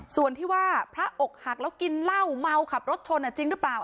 ส่วนที่ว่าพระอกหักแล้วกินเหล้าเมาขับรถชนจริงหรือเปล่า